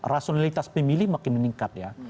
rasionalitas pemilih makin meningkat ya